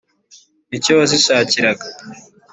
ni cyo wazishakiraga.